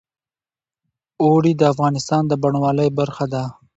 اوړي د افغانستان د بڼوالۍ برخه ده.